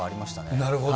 なるほど。